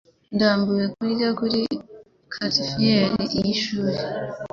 Ndambiwe kurya kuri cafeteria yishuri.